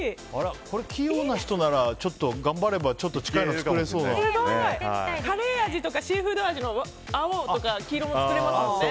これ、器用な人なら頑張ればちょっとすごい！カレー味とかシーフード味の青とか黄色も作れますもんね。